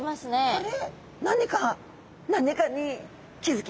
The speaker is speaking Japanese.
あれ？